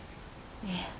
いえ。